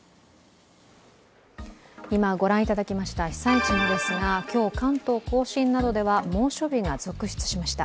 今、ご覧いただきました被災地もですが、今日、関東甲信などでは猛暑日が続出しました。